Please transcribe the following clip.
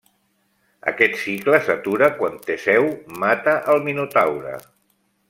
Aquest cicle s'atura quan Teseu mata el Minotaure.